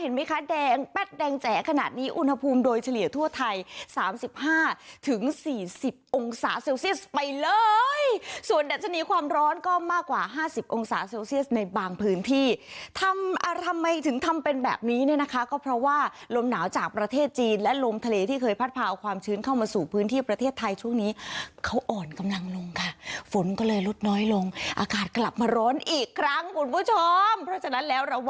เห็นไหมคะแดงแป๊ดแดงแจ๋ขนาดนี้อุณหภูมิโดยเฉลี่ยทั่วไท๓๕๔๐องศาเซลเซลเซียสไปเลยส่วนดัชนีความร้อนก็มากกว่า๕๐องศาเซลเซียสในบางพื้นที่ทำทำไมถึงทำเป็นแบบนี้เนี่ยนะคะก็เพราะว่าลมหนาวจากประเทศจีนและลมทะเลที่เคยพัดพาความชื้นเข้ามาสู่พื้นที่ประเทศไทช่วงนี้เขาอ่อนกำลังล